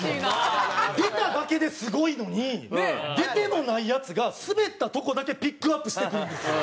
出ただけですごいのに出てもないヤツがスベったとこだけピックアップしてくるんですよ。